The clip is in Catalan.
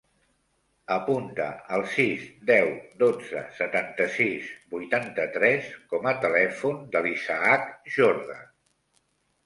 Apunta el sis, deu, dotze, setanta-sis, vuitanta-tres com a telèfon de l'Isaac Jorda.